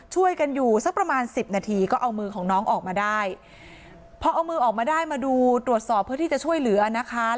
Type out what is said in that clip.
ช่วยกันอยู่สักประมาณสิบนาทีก็เอามือของน้องออกมาได้พอเอามือออกมาได้มาดูตรวจสอบเพื่อที่จะช่วยเหลือนะคะ